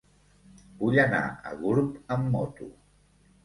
Vull anar a Gurb amb moto.